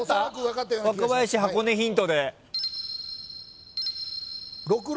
若林箱根ヒントで。